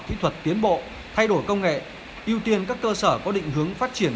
kỹ thuật tiến bộ thay đổi công nghệ ưu tiên các cơ sở có định hướng phát triển